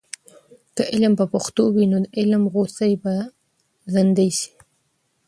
که علم په پښتو وي، نو د علم غوڅۍ به زندې سي.